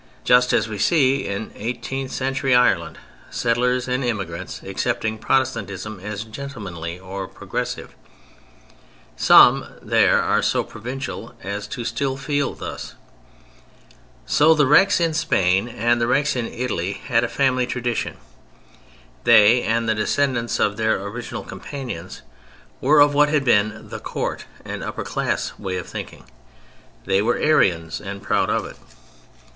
Just as we see in eighteenth century Ireland settlers and immigrants accepting Protestantism as "gentlemanly" or "progressive" (some there are so provincial as still to feel thus), so the Rex in Spain and the Rex in Italy had a family tradition; they, and the descendants of their original companions, were of what had been the "court" and "upper class" way of thinking. They were "Arians" and proud of it.